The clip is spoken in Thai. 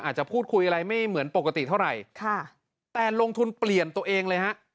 อาจจะพูดคุยอะไรไม่เหมือนปกติเท่าไหร่ค่ะแต่ลงทุนเปลี่ยนตัวเองเลยฮะ